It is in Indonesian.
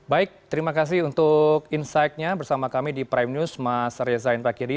baik terima kasih untuk insight nya bersama kami di prime news mas reza inrakiri